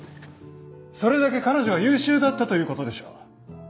それだけ彼女が優秀だったということでしょ。